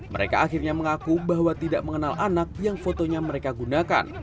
mereka akhirnya mengaku bahwa tidak mengenal anak yang fotonya mereka gunakan